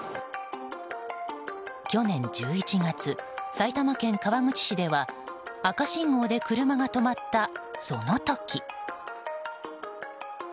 去年１１月、埼玉県川口市では赤信号で車が止まったその時。